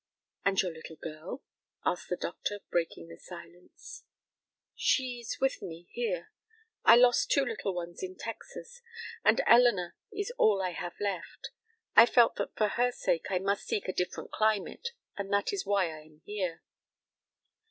"And your little girl?" asked the doctor, breaking the silence. "She is with me here. I lost two little ones in Texas, and Elinor is all I have left. I felt that for her sake I must seek a different climate, and that is why I am here."